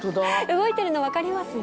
動いてるの分かりますね。